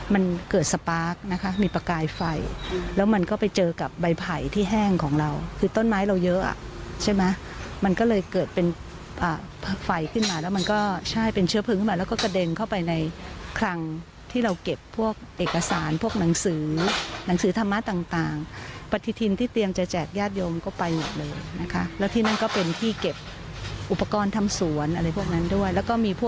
มันเกิดสปาร์คนะฮะมีประกายไฟแล้วมันก็ไปเจอกับใบไผ่ที่แห้งของเราคือต้นไม้เราเยอะอะใช่มั้ยมันก็เลยเกิดเป็นไฟขึ้นมาแล้วมันก็ใช่เป็นเชื้อผึ้งมาแล้วก็กระเด็นเข้าไปในคลังที่เราเก็บพวกเอกสารพวกหนังสือหนังสือธรรมะต่างปฏิทินที่เตรียมจะแจกญาติยงก็ไปหมดเลยนะฮะแล้วที่นั่นก็เป็นที่